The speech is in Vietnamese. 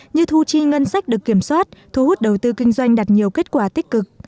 như thu chi ngân sách được kiểm soát thu hút đầu tư kinh doanh đạt nhiều kết quả tích cực